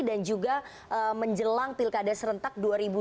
juga menjelang pilkada serentak dua ribu dua puluh